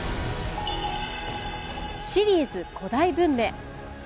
「シリーズ古代文明」。